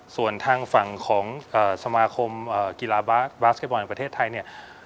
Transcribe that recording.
ส่วนทางฝั่งของสมาคมกีฬาบาสบาสเก็ตบอลประเทศไทยเนี่ย